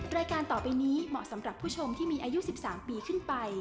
รายการต่อไปนี้เหมาะสำหรับผู้ชมที่มีอายุ๑๓ปีขึ้นไป